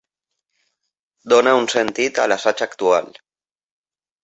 Dona un sentit a l'assaig actual.